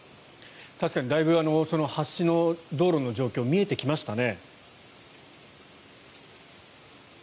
確かに橋の道路の状況だいぶ見えてきましたね。